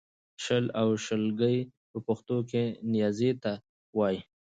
شل او شلګی په پښتو کې نېزې ته وایې